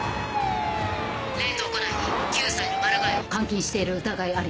冷凍庫内に９歳のマル害を監禁している疑いあり。